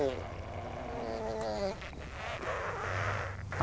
何？